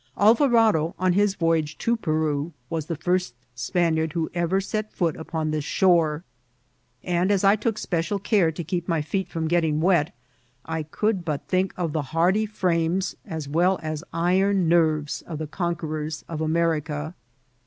Alya rado, on his voyage to Peru, was the first Spaniard who ever set foot upon this shore, and as I took special care to keep my feet from getting wet, I could but think of the hardy frimies as well as iron nerves of the con querors of America.